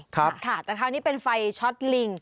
ค่ะแต่คราวนี้เป็นไฟช็อตลิง